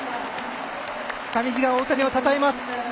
上地が大谷をたたえます。